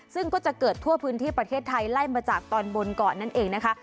ซึ่งก็จะเกิดทั่วพื้นที่ประเทศไทยไล่มาจากตอนบนก่อนนั่นเองนะคะ